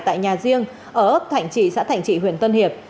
tại nhà riêng ở ấp thành trị xã thành trị huyện tân hiệp